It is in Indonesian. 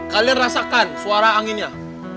kalian rasakan suara anginnya